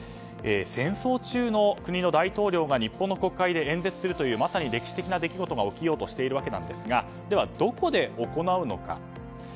戦争中の国の大統領が日本の国会で演説するというまさに歴史的な出来事が起きようとしていますがでは、どこで行うのか。